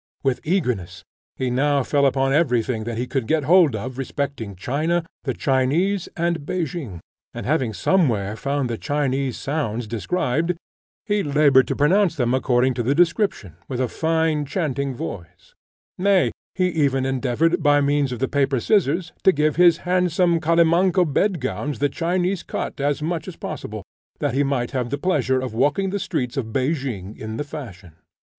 With eagerness he now fell upon every thing that he could get hold of respecting China, the Chinese, and Pekin; and having somewhere found the Chinese sounds described, he laboured to pronounce them according to the description, with a fine chanting voice; nay, he even endeavoured, by means of the paper scissors, to give his handsome calimanco bed gowns the Chinese cut as much as possible, that he might have the pleasure of walking the streets of Pekin in the fashion.